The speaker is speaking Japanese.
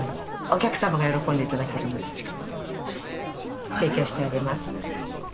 お客様が喜んでいただけるので、勉強しております。